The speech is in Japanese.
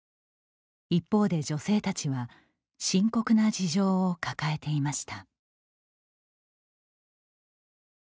一方で、女性たちは深刻な事情を抱えていました。